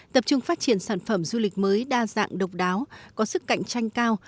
tập trung phát triển sản phẩm du lịch mới đa dạng độc đáo có sức cạnh tranh cao